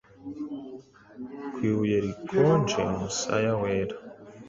Ku ibuye rikonje umusaya wera.